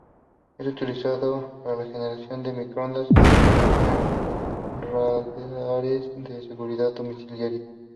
Es utilizado para la generación de microondas en radares de seguridad domiciliaria.